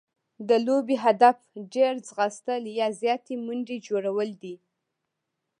د لوبي هدف ډېر ځغستل يا زیاتي منډي جوړول دي.